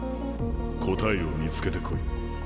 答えを見つけてこい。